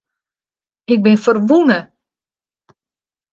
Ik bin ferwûne.